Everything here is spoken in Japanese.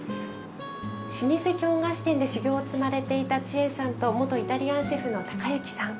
老舗京菓子店で修業を積まれていた千恵さんと元イタリアンシェフの高行さん。